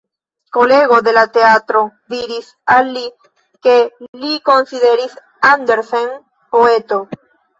Kolego de la teatro diris al li ke li konsideris Andersen poeto.